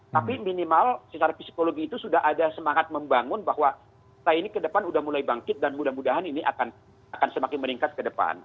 tapi minimal secara psikologi itu sudah ada semangat membangun bahwa kita ini ke depan sudah mulai bangkit dan mudah mudahan ini akan semakin meningkat ke depan